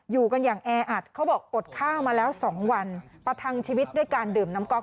อยู่กันอย่างแออัดเขาบอกอดข้าวมาแล้ว๒วันประทังชีวิตด้วยการดื่มน้ำก๊อก